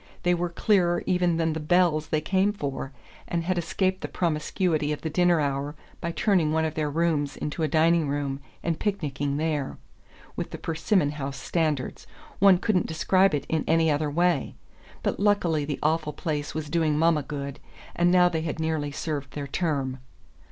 They were queerer even than the "belles" they came for and had escaped the promiscuity of the dinner hour by turning one of their rooms into a dining room, and picnicking there with the Persimmon House standards, one couldn't describe it in any other way! But luckily the awful place was doing mamma good, and now they had nearly served their term...